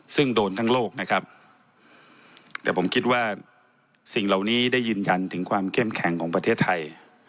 ซึ่งโดนทั้งโลกนะครับแต่ผมคิดว่าสิ่งเหล่านี้ได้ยืนยันถึงความเข้มแข็งของประเทศไทย